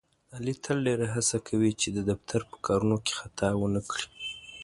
علي تل ډېره هڅه کوي، چې د دفتر په کارونو کې خطا ونه کړي.